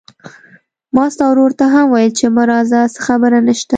ما ستا ورور ته هم وويل چې ما راځه، څه خبره نشته.